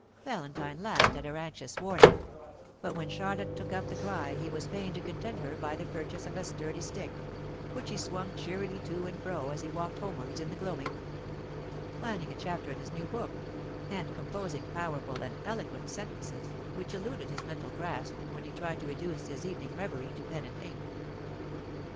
Valentine laughed at her anxious warning; but when Charlotte took up the cry he was fain to content her by the purchase of a sturdy stick, which he swung cheerily to and fro as he walked homewards in the gloaming, planning a chapter in his new book, and composing powerful and eloquent sentences which eluded his mental grasp when he tried to reduce his evening reverie to pen and ink.